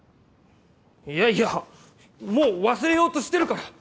いやいやもう忘れようとしてるから！